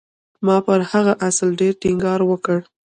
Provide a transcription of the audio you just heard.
ما پر هغه اصل ډېر ټينګار وکړ.